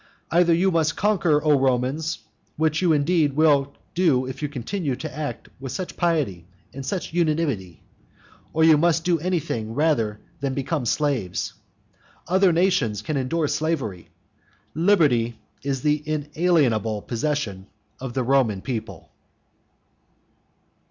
Either you must conquer, O Romans, which indeed you will do if you continue to act with such piety and such unanimity, or you must do anything rather than become slaves. Other nations can endure slavery. Liberty is the inalienable possession of the Roman people.